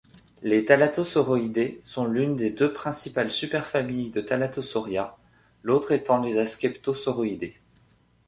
Les Thalattosauroidea sont l'une des deux principales super-familles de Thalattosauria, l'autre étant les Askeptosauroidea.